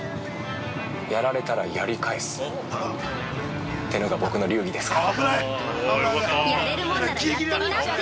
やられたらやり返すってのが、僕の流儀ですから。